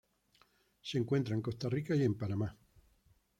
Se encuentra en Costa Rica, y en Panamá.